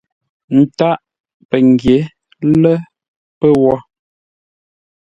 Ntâʼ pəngyě lə́ pə́ wó.